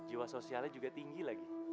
jiwa sosialnya juga tinggi lagi